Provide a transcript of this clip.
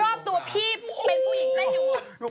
รอบตัวพี่เป็นผู้หญิงเล่นอยู่